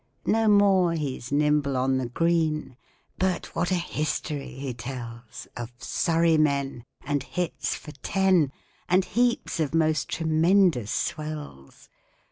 No more he's nimble on the green, But what a history he tells Of Surrey men And hits for ten, And heaps of most tremendous Swells!